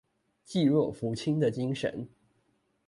濟弱扶傾的精神